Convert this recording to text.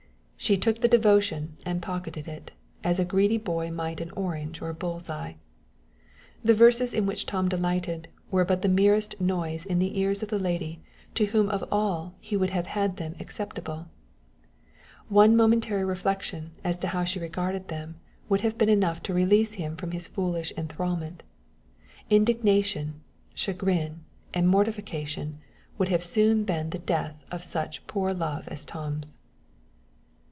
She took the devotion and pocketed it, as a greedy boy might an orange or bull's eye. The verses in which Tom delighted were but the merest noise in the ears of the lady to whom of all he would have had them acceptable. One momentary revelation as to how she regarded them would have been enough to release him from his foolish enthrallment. Indignation, chagrin, and mortification would have soon been the death of such poor love as Tom's.